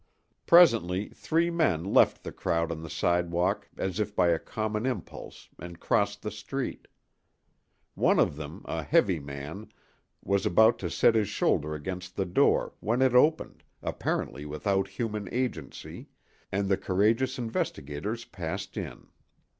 Presently three men left the crowd on the sidewalk as if by a common impulse and crossed the street. One of them, a heavy man, was about to set his shoulder against the door when it opened, apparently without human agency, and the courageous investigators passed in.